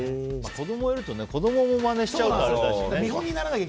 子供いるとね子供がまねしちゃうとね。